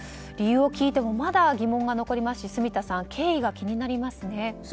理由を聞いてもまだ疑問が残りますし住田さん、経緯が気になりますね。